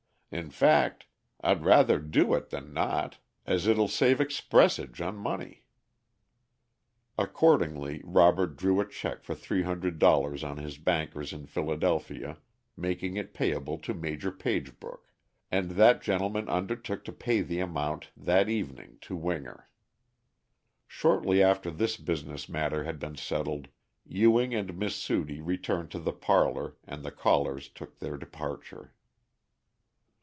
In fact I'd rather do it than not, as it'll save expressage on money." Accordingly Robert drew a check for three hundred dollars on his bankers in Philadelphia, making it payable to Major Pagebrook, and that gentleman undertook to pay the amount that evening to Winger. Shortly after this business matter had been settled, Ewing and Miss Sudie returned to the parlor and the callers took their departure.